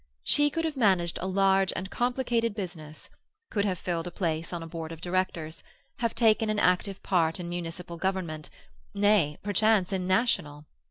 She could have managed a large and complicated business, could have filled a place on a board of directors, have taken an active part in municipal government—nay, perchance in national.